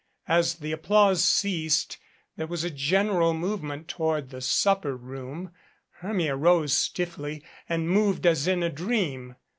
As the applause ceased, 303 MADCAP there was a general movement toward the supper room. Hermia rose stiffly and moved as in a dream.